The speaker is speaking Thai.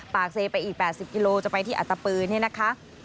ปากเซไปอีก๘๐กิโลกรัมจะไปที่อาตะปืนนี่นะคะ